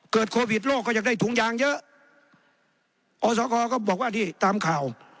โควิดโลกก็อยากได้ถุงยางเยอะอสคก็บอกว่าที่ตามข่าว